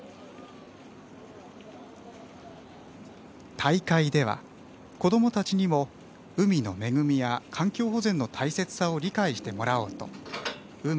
大会では子どもたちにも海の恵みや環境保全の大切さを理解してもらおうと「海」